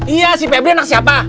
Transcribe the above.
iya si febri anak siapa